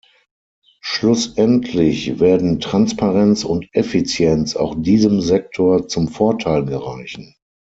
Schlussendlich werden Transparenz und Effizienz auch diesem Sektor zum Vorteil gereichen.